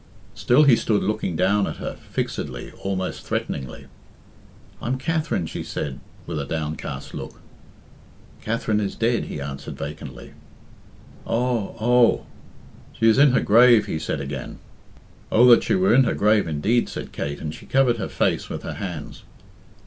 Still he stood looking down at her, fixedly, almost threateningly. "I am Katherine," she said, with a downcast look. "Katherine is dead," he answered vacantly. "Oh! oh!" "She is in her grave," he said again. "Oh, that she were in her grave indeed!" said Kate, and she covered her face with her hands.